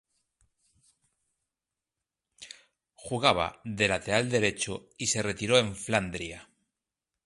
Jugaba de lateral derecho y se retiró en Flandria.